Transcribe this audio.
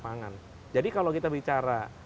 pangan jadi kalau kita bicara